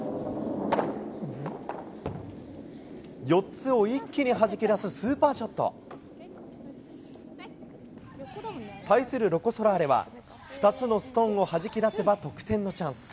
４つを一気にはじき出すスーパーショット。対するロコ・ソラーレは、２つのストーンをはじき出せば得点のチャンス。